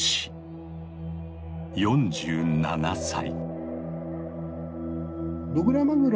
４７歳。